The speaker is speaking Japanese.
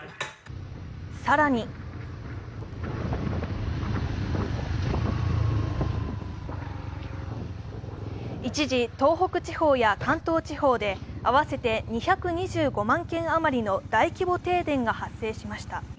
更に一時、東北地方や関東地方で合わせて２２５万軒余りの大規模停電が発生しました。